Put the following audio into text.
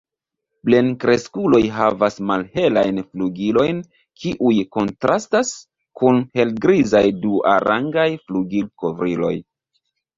Plenkreskuloj havas malhelajn flugilojn kiuj kontrastas kun helgrizaj duarangaj flugilkovriloj.